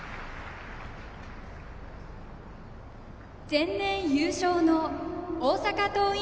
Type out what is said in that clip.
前年優勝の大阪桐蔭